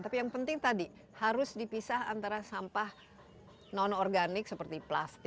tapi yang penting tadi harus dipisah antara sampah non organik seperti plastik